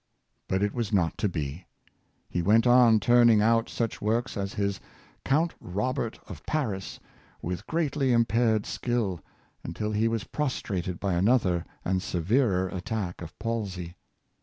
But it was not to be. He went on turning out such works as his " Count Robert of Paris " with greatly impaired skill, until he was prostrated by another and severer attack of palsy.